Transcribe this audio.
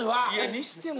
にしても。